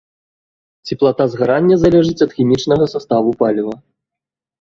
Цеплата згарання залежыць ад хімічнага саставу паліва.